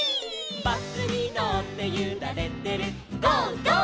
「バスにのってゆられてる「ゴー！ゴー！」